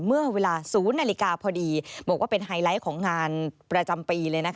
เมื่อเวลา๐นาฬิกาพอดีบอกว่าเป็นไฮไลท์ของงานประจำปีเลย